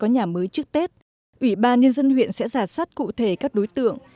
nhà mới trước tết ủy ban nhân dân huyện sẽ giả soát cụ thể các đối tượng